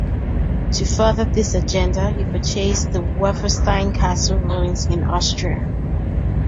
To further this agenda, he purchased the Werfenstein castle ruins in Austria.